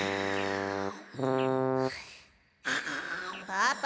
パパ。